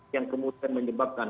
yang kemudian menyebabkan